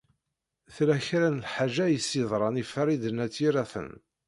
Tella kra lḥeǧa i s-yeḍṛan i Farid n At Yiraten.